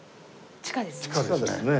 地下ですね。